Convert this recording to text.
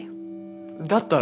だったら。